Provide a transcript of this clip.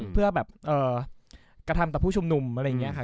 เพื่อแบบกระทำต่อผู้ชุมนุมอะไรอย่างนี้ค่ะ